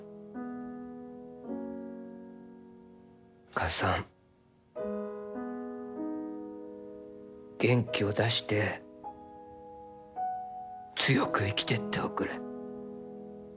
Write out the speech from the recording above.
母さん元気を出して強く生きてっておくれ」。